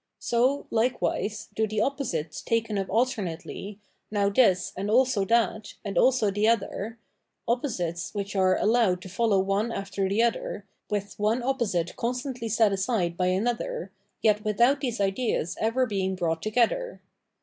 So, like wise, do the opposites taken up alternately, now this and also that, and also the other, opposites which are allowed to follow one after the other, with one opposite constantly set aside by another, yet without these ideas ever being brought together.